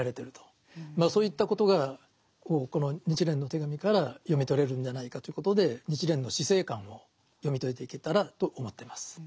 そういったことがこの「日蓮の手紙」から読み取れるんじゃないかということで日蓮の死生観を読み解いていけたらと思ってます。